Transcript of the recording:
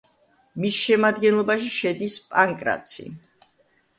მის შემადგენლობაში შედის პანკრაცი.